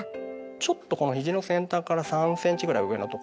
ちょっとこの肘の先端から３ｃｍぐらい上のとこで。